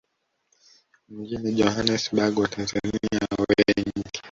mjini Johannesburg Watanzania wengi